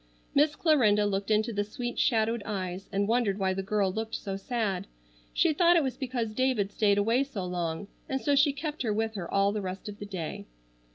Miss Clarinda looked into the sweet shadowed eyes and wondered why the girl looked so sad. She thought it was because David stayed away so long, and so she kept her with her all the rest of the day.